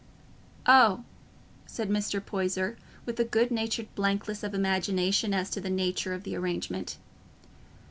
"Oh," said Mr. Poyser, with a good natured blankness of imagination as to the nature of the arrangement.